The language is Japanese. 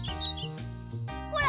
ほら！